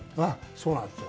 そうなんですよ。